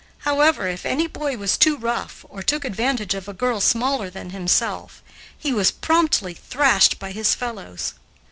However, if any boy was too rough or took advantage of a girl smaller than himself, he was promptly thrashed by his fellows.